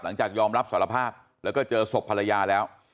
ยอมรับสารภาพแล้วก็เจอศพภรรยาแล้ว